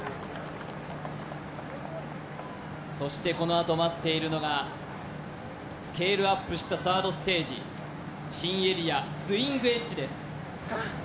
そしてこのあと待っているのがスケールアップしたサードステージ新エリアスイングエッジです